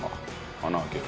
穴開ける。